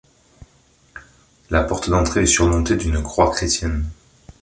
Le porte d'entrée est surmontée d'une croix chrétienne.